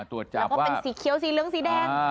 ตรวจจับว่าแล้วก็เป็นสีเขียวสีเลืองสีแดง